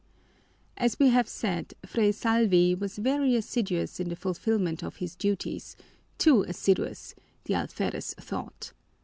As we have said, Fray Salvi was very assiduous in the fulfilment of his duties, too assiduous, the alferez thought.